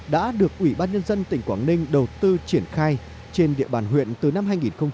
đã được ủy ban nhân dân tỉnh quảng ninh đầu tư triển khai trên địa bàn huyện từ năm hai nghìn một mươi